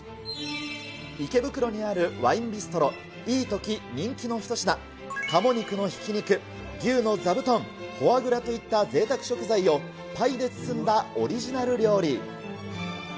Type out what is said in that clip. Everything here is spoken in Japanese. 池袋にあるワインビストロ、イイトキ人気の一品、鴨肉のひき肉、牛のザブトン、フォアグラといったぜいたく食材を、パイで包んだオリジナル料理。